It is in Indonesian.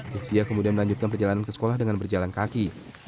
luxya kemudian melanjutkan perjalanan ke sekolah dengan berjalan kaki